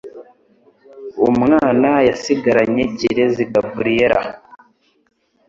umwana yasigaranye Kirezi Gabriella